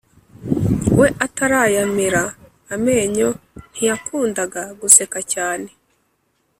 we atarayamera amenyo ntiyakundaga guseka cyane